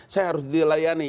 saya harus dilayani